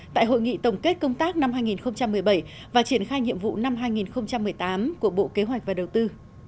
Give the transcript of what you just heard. tại hội nghị tổng kết công tác năm hai nghìn một mươi bảy và triển khai nhiệm vụ năm hai nghìn một mươi tám của bộ kế hoạch và đầu tư